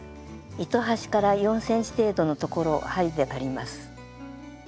糸端から４ｃｍ程度のところを針で割ります。